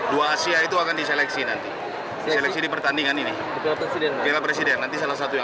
dua asia itu akan diseleksi nanti seleksi di pertandingan ini